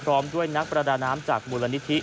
พร้อมด้วยนักประดาน้ำจากมูลนิธิ